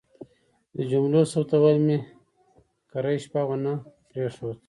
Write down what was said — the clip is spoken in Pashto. د جملو ثبتول مې کرۍ شپه ونه پرېښود.